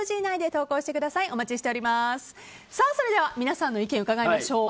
それでは皆さんの意見を伺いましょう。